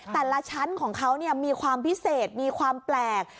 แต่ละชั้นของเขามีความพิเศษมีความแปลก